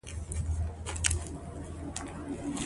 د اوبو سم استعمال د پوهاوي او شعور نښه ګڼل کېږي.